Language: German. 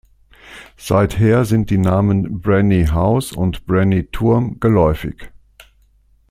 Seither sind die Namen Breny-Haus und Breny-Turm geläufig.